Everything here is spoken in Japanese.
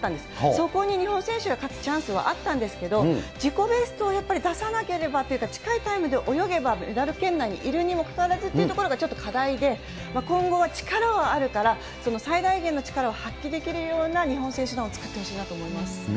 そこに日本選手が勝つチャンスはあったんですけど、自己ベストをやっぱり出さなければというか、近いタイムで泳げばメダル圏内にいるにもかかわらずというところがちょっと課題で、今後は力はあるから、その最大限の力を発揮できるような、日本選手団を作ってほしいなと思います。